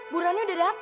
buruannya udah dateng